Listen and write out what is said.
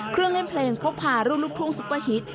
เครื่องเล่นเพลงพบผ่ารุ่นลูกภูมิซุปเปอร์ฮิต